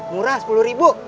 murah sepuluh ribu